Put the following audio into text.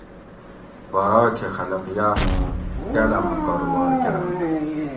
بارائے تھی خلق یاۤ موں کالاۤمہ کاروبار کۤرنت